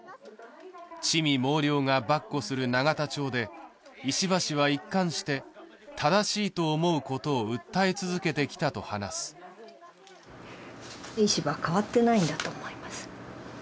魑魅魍魎が跋扈する永田町で石破氏は一貫して正しいと思うことを訴え続けてきたと話す石破は変わってないんだと思います